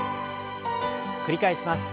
繰り返します。